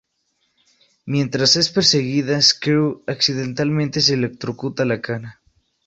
Mientras es perseguida, Screw accidentalmente se electrocuta la cara.